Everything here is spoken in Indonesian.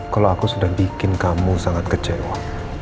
kalau aku sudah bikin kamu sangat kecewa